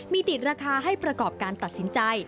มีติดราคาให้ประกอบการตัดสินใจ